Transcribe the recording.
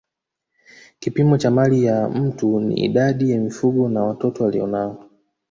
Kipimo cha mali ya mtu ni idadi ya mifugo na watoto alionao